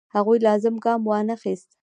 هغوی لازم ګام وانخیست.